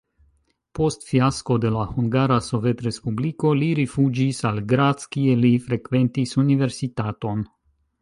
Post fiasko de la Hungara Sovetrespubliko li rifuĝis al Graz, kie li frekventis universitaton.